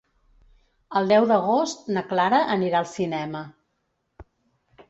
El deu d'agost na Clara anirà al cinema.